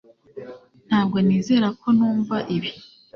Ntabwo nizera ko numva ibi